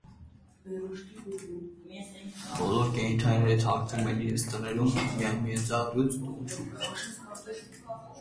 Բոլոր կենդանիները թաքնվում են իրենց տներում, միայն մի ընձառյուծ տուն չուներ։